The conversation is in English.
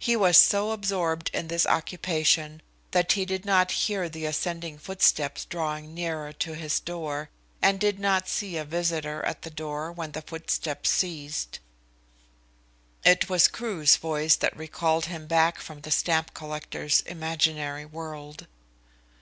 He was so absorbed in this occupation that he did not hear the ascending footsteps drawing nearer to his door, and did not see a visitor at the door when the footsteps ceased. It was Crewe's voice that recalled him back from the stamp collector's imaginary world.